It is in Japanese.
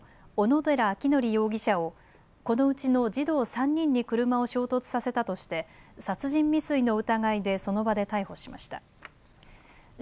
小野寺章仁容疑者をこのうちの児童３人に車を衝突させたとして殺人未遂の疑いでその場で逮捕しました。